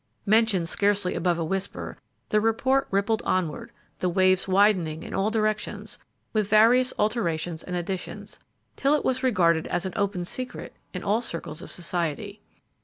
Mentioned scarcely above a whisper, the report rippled onward, the waves widening in all directions, with various alterations and additions, till it was regarded as an open secret in all circles of society.